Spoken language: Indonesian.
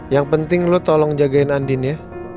yang penting lo tolong jagain andin ya